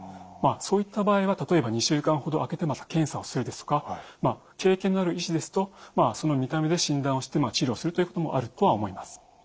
そういった場合は例えば２週間ほど空けてまた検査をするですとか経験のある医師ですとその見た目で診断をして治療をするということもあるとは思います。